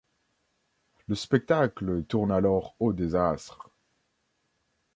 Le spectacle tourne alors au désastre.